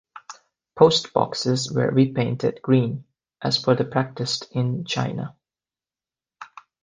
Post boxes were repainted green, as per the practice in China.